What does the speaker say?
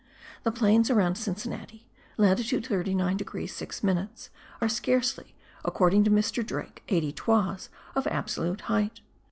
The plains around Cincinnati (latitude 39 degrees 6 minutes) are scarcely, according to Mr. Drake, 80 toises of absolute height.